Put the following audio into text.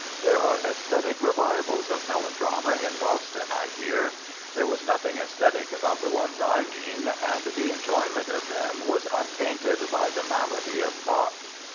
There are aesthetic revivals of melodrama in Boston, I hear. There was nothing aesthetic about the ones I mean, and the enjoyment of them was untainted by the malady of thought.